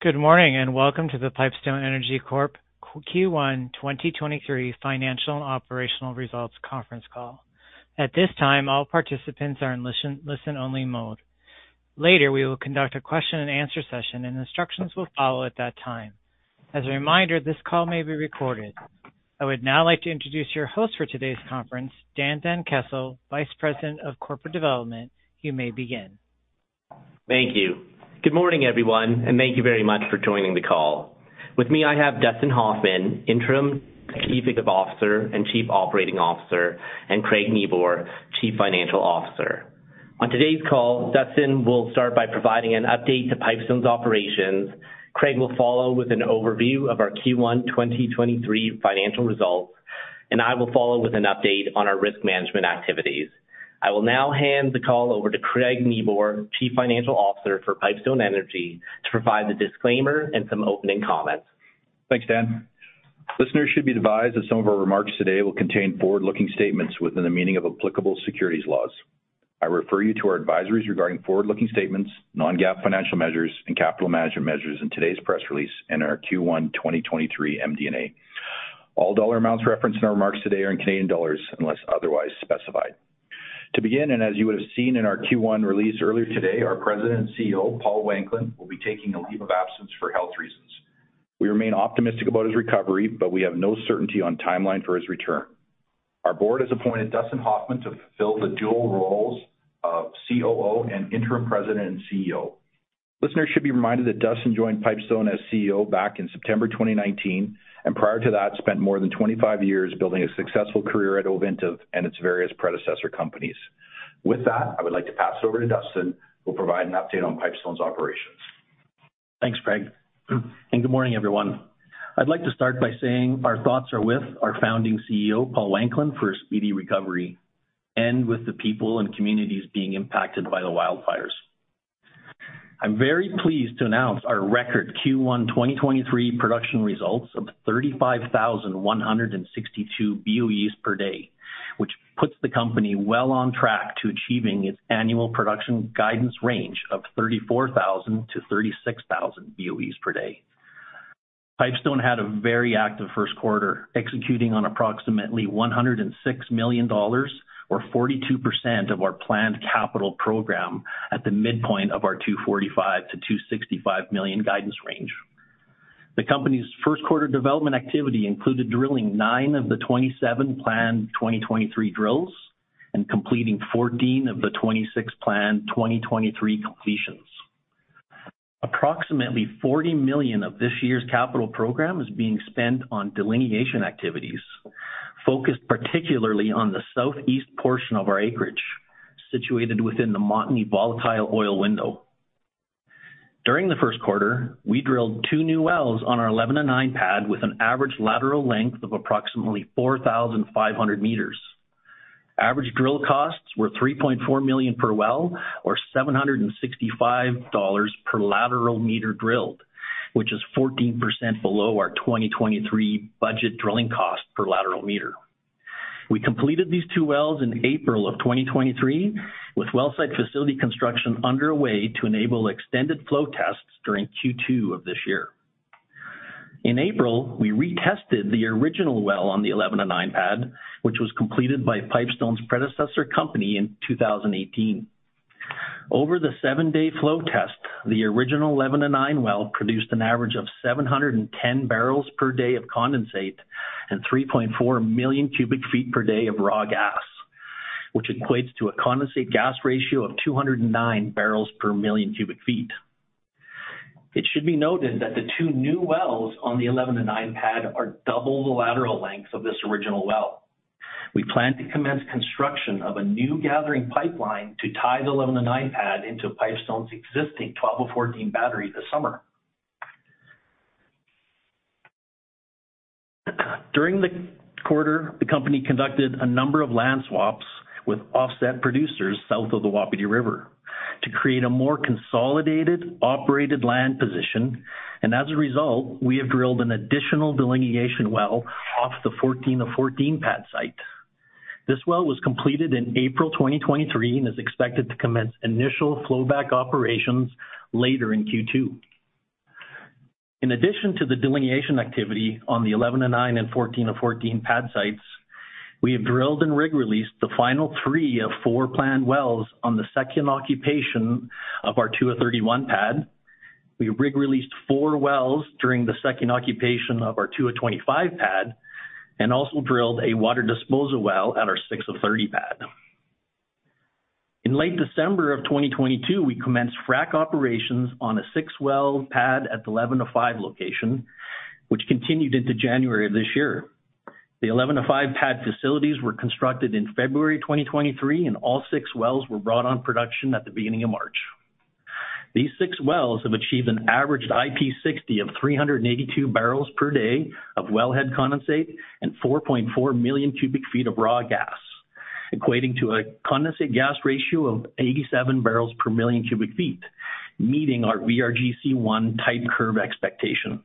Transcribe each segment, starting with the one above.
Good morning, welcome to the Pipestone Energy Corp Q1 2023 Financial Operational Results conference call. At this time, all participants are in listen only mode. Later, we will conduct a question and answer session and instructions will follow at that time. As a reminder, this call may be recorded. I would now like to introduce your host for today's conference, Dan van Kessel, Vice President of Corporate Development. You may begin. Thank you. Good morning, everyone, and thank you very much for joining the call. With me, I have Dustin Hoffman, Interim Chief Executive Officer and Chief Operating Officer, and Craig Nieboer, Chief Financial Officer. On today's call, Dustin will start by providing an update to Pipestone's operations. Craig will follow with an overview of our Q1 2023 financial results, and I will follow with an update on our risk management activities. I will now hand the call over to Craig Nieboer, Chief Financial Officer for Pipestone Energy, to provide the disclaimer and some opening comments. Thanks, Dan. Listeners should be advised that some of our remarks today will contain forward-looking statements within the meaning of applicable securities laws. I refer you to our advisories regarding forward-looking statements, non-GAAP financial measures, and capital management measures in today's press release and our Q1 2023 MD&A. All dollar amounts referenced in our remarks today are in Canadian dollars, unless otherwise specified. To begin, as you would have seen in our Q1 release earlier today, our President and CEO, Paul Wanklyn, will be taking a leave of absence for health reasons. We remain optimistic about his recovery, but we have no certainty on timeline for his return. Our board has appointed Dustin Hoffman to fulfill the dual roles of COO and interim President and CEO. Listeners should be reminded that Dustin joined Pipestone as CEO back in September 2019. Prior to that, spent more than 25 years building a successful career at Ovintiv and its various predecessor companies. With that, I would like to pass it over to Dustin, who will provide an update on Pipestone's operations. Thanks, Craig. Good morning, everyone. I'd like to start by saying our thoughts are with our founding CEO, Paul Wanklyn, for a speedy recovery and with the people and communities being impacted by the wildfires. I'm very pleased to announce our record Q1 2023 production results of 35,162 BOEs per day, which puts the company well on track to achieving its annual production guidance range of 34,000-36,000 BOEs per day. Pipestone had a very active first quarter, executing on approximately 106 million dollars or 42% of our planned capital program at the midpoint of our 245 million-265 million guidance range. The company's first quarter development activity included drilling nine of the 27 planned 2023 drills and completing 14 of the 26 planned 2023 completions. Approximately 40 million of this year's capital program is being spent on delineation activities, focused particularly on the southeast portion of our acreage situated within the Montney volatile oil window. During the first quarter, we drilled two new wells on our 11-09 pad with an average lateral length of approximately 4,500 meters. Average drill costs were 3.4 million per well or 765 dollars per lateral meter drilled, which is 14% below our 2023 budget drilling cost per lateral meter. We completed these two wells in April 2023, with well site facility construction underway to enable extended flow tests during Q2 of this year. In April, we retested the original well on the 11-09 pad, which was completed by Pipestone's predecessor company in 2018. Over the 7-day flow test, the original 11-09 well produced an average of 710 barrels per day of condensate and 3.4 million cubic feet per day of raw gas, which equates to a condensate-gas-ratio of 209 barrels per million cubic feet. It should be noted that the two new wells on the 11-09 pad are double the lateral length of this original well. We plan to commence construction of a new gathering pipeline to tie the 11-09 pad into Pipestone's existing 12-14 battery this summer. During the quarter, the company conducted a number of land swaps with offset producers south of the Wapiti River to create a more consolidated operated land position. As a result, we have drilled an additional delineation well off the 14-14 pad site. This well was completed in April 2023 and is expected to commence initial flow back operations later in Q2. In addition to the delineation activity on the 11-09 and 14-14 pad sites, we have drilled and rig released the final three to four planned wells on the second occupation of our 02-31 pad. We rig released four wells during the second occupation of our 02-25 pad and also drilled a water disposal well at our 6-30 pad. In late December of 2022, we commenced frack operations on a 6-well pad at the 11-05 pad, which continued into January of this year. The 11-05 pad facilities were constructed in February 2023, and all six wells were brought on production at the beginning of March. These six wells have achieved an average IP60 of 382 barrels per day of wellhead condensate and 4.4 million cubic feet of raw gas, equating to a condensate-gas-ratio of 87 barrels per million cubic feet, meeting our VRGC1 type curve expectation.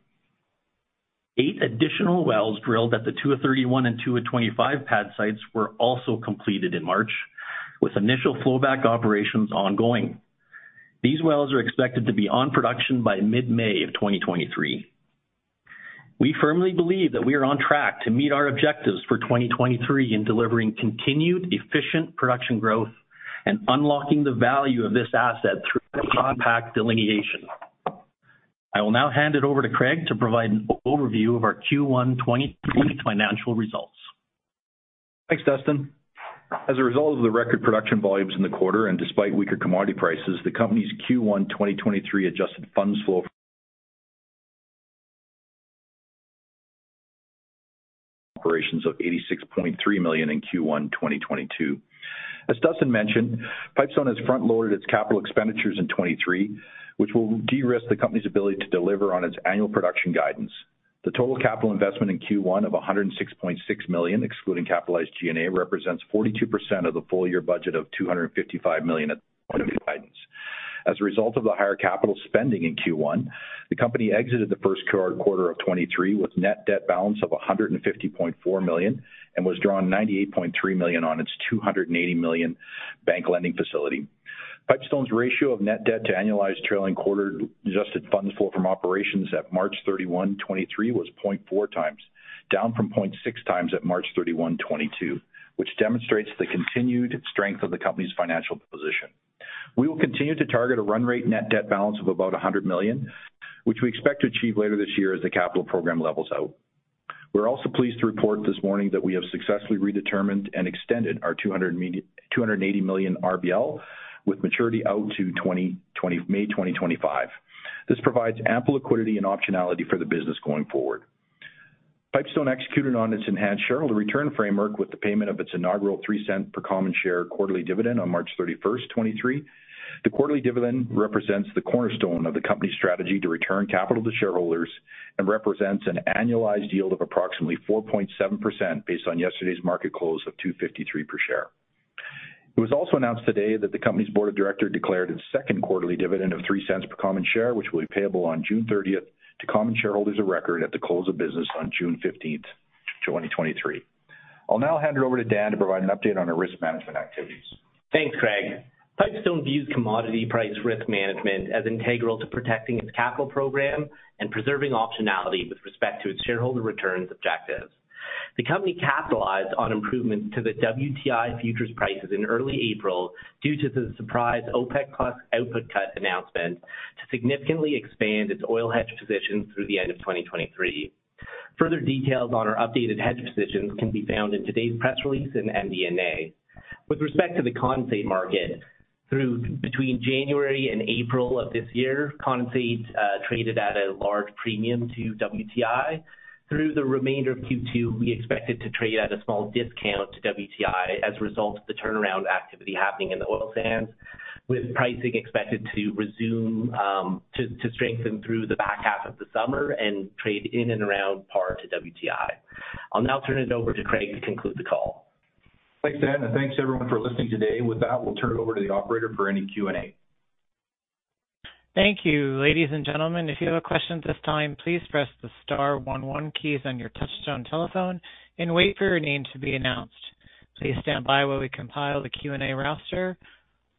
Eight additional wells drilled at the 02-31 and 02-25 pad sites were also completed in March, with initial flow back operations ongoing. These wells are expected to be on production by mid-May of 2023. We firmly believe that we are on track to meet our objectives for 2023 in delivering continued efficient production growth and unlocking the value of this asset through compact delineation. I will now hand it over to Craig to provide an overview of our Q1 2023 financial results. Thanks, Dustin. As a result of the record production volumes in the quarter and despite weaker commodity prices, the company's Q1 2023 adjusted funds flow from operations of 86.3 million in Q1 2022. As Dustin mentioned, Pipestone has front-loaded its capital expenditures in 2023, which will de-risk the company's ability to deliver on its annual production guidance. The total capital investment in Q1 of 106.6 million, excluding capitalized G&A, represents 42% of the full year budget of 255 million at guidance. As a result of the higher capital spending in Q1, the company exited the first quarter of 2023 with net debt balance of 150.4 million and was drawn 98.3 million on its 280 million bank lending facility. Pipestone's ratio of net debt to annualized trailing quarter adjusted funds flow from operations at March 31, 2023 was 0.4x, down from 0.6x at March 31, 2022, which demonstrates the continued strength of the company's financial position. We will continue to target a run rate net debt balance of about 100 million, which we expect to achieve later this year as the capital program levels out. We're also pleased to report this morning that we have successfully redetermined and extended our 280 million RBL with maturity out to May 2025. This provides ample liquidity and optionality for the business going forward. Pipestone executed on its enhanced shareholder return framework with the payment of its inaugural 0.03 per common share quarterly dividend on March 31st, 2023. The quarterly dividend represents the cornerstone of the company's strategy to return capital to shareholders and represents an annualized yield of approximately 4.7% based on yesterday's market close of 2.53 per share. It was also announced today that the company's board of director declared its second quarterly dividend of 0.03 per common share, which will be payable on June 30th to common shareholders of record at the close of business on June 15th, 2023. I'll now hand it over to Dan to provide an update on our risk management activities. Thanks, Craig. Pipestone views commodity price risk management as integral to protecting its capital program and preserving optionality with respect to its shareholder returns objectives. The company capitalized on improvements to the WTI futures prices in early April due to the surprise OPEC plus output cut announcement to significantly expand its oil hedge position through the end of 2023. Further details on our updated hedge positions can be found in today's press release in the MD&A. With respect to the condensate market, between January and April of this year, condensate traded at a large premium to WTI. Through the remainder of Q2, we expect it to trade at a small discount to WTI as a result of the turnaround activity happening in the oil sands, with pricing expected to strengthen through the back half of the summer and trade in and around par to WTI. I'll now turn it over to Craig to conclude the call. Thanks, Dan. Thanks everyone for listening today. With that, we'll turn it over to the operator for any Q&A. Thank you. Ladies and gentlemen, if you have a question at this time, "please press the star one one" keys on your touchtone telephone and wait for your name to be announced. Please stand by while we compile the Q&A roster.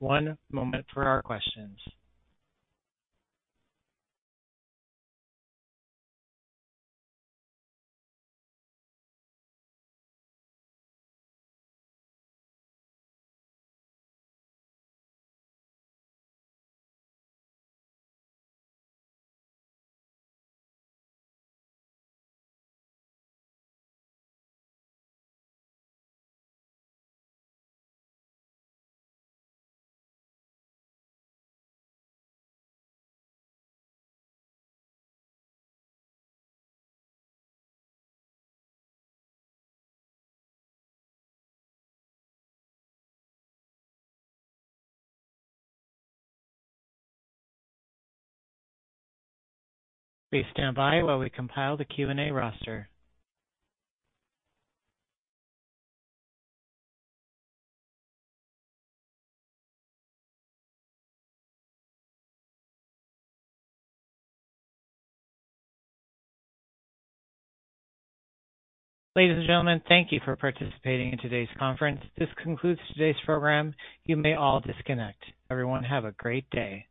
One moment for our questions. Please stand by while we compile the Q&A roster. Ladies and gentlemen, thank you for participating in today's conference. This concludes today's program. You may all disconnect. Everyone, have a great day.